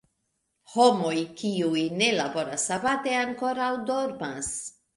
Homoj, kiuj ne laboras sabate ankoraŭ dormas.